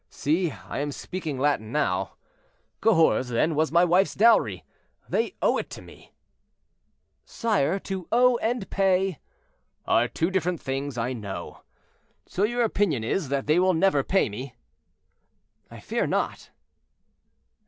See, I am speaking Latin now. Cahors, then, was my wife's dowry; they owe it to me—" "Sire, to owe and pay—" "Are two different things, I know. So your opinion is, that they will never pay me?" "I fear not."